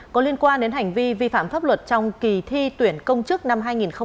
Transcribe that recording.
có liên quan đến hành vi vi phạm pháp luật trong kỳ thi tuyển công chức năm hai nghìn một mươi bảy hai nghìn một mươi tám